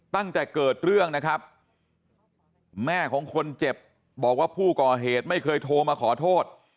ตั้งแต่เกิดเรื่องนะครับแม่ของคนเจ็บบอกว่าผู้ก่อเหตุไม่เคยโทรมาขอโทษ